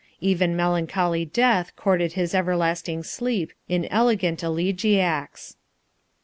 Even melancholy death courted his everlasting sleep in elegant elegiacs.